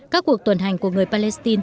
các cuộc tuần hành của người palestine